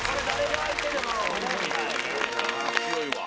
強いわ。